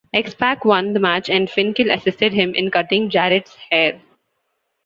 X-Pac won the match and Finkel assisted him in cutting Jarrett's hair.